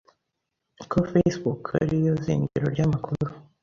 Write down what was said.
ko Facebook ari yo zingiro ry'amakuru